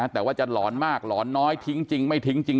แต่ว่าจะหลอนมากหลอนน้อยทิ้งจริงไม่ทิ้งจริง